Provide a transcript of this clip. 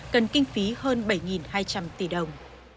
cần kinh phí hơn bảy hai trăm linh tỷ đồng